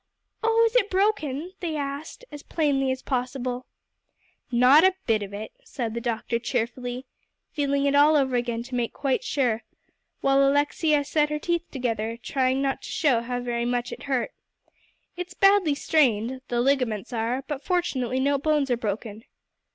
"Oh, is it broken?" they asked, as plainly as possible. "Not a bit of it," said the doctor cheerfully, feeling it all over again to make quite sure, while Alexia set her teeth together, trying not to show how very much it hurt. "It's badly strained, the ligaments are; but fortunately no bones are broken."